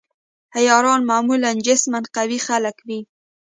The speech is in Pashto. عیاران معمولاً جسماً قوي خلک وي.